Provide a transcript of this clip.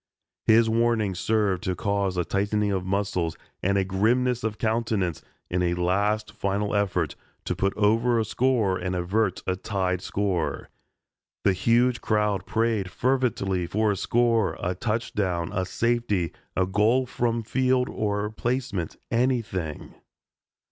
His warning served to cause a tightening of muscles and a grimness of countenance in a last final effort to put over a score and avert a tied score. The huge crowd prayed fervently for a score a touchdown a safety a goal from field or placement anything.